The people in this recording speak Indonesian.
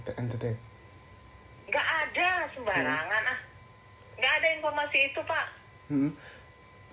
nggak ada informasi itu pak